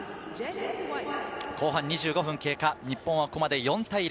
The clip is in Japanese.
後半２５分経過、日本はここまで４対０。